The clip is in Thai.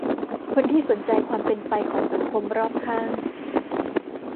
คนที่สนใจความเป็นไปของสังคมรอบข้าง